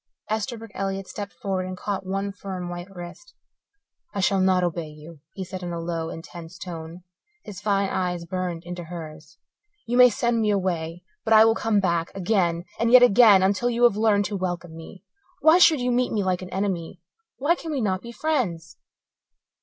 Esterbrook Elliott stepped forward and caught one firm, white wrist. "I shall not obey you," he said in a low, intense tone; his fine eyes burned into hers. "You may send me away, but I will come back, again and yet again until you have learned to welcome me. Why should you meet me like an enemy? Why can we not be friends?"